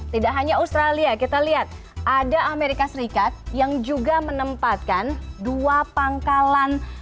tidak hanya australia kita lihat ada amerika serikat yang juga menempatkan dua pangkalan